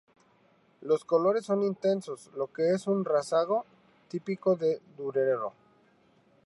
Los colores son intensos, lo que es un rasgo típico de Durero.